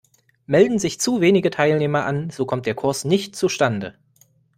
Melden sich zu wenige Teilnehmer an, so kommt der Kurs nicht zustande.